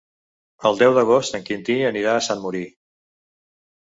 El deu d'agost en Quintí anirà a Sant Mori.